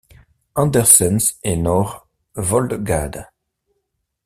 Andersens et Nørre Voldgade.